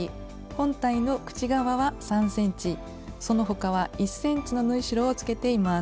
本体の口側は３ｃｍその他は１ｃｍの縫い代をつけています。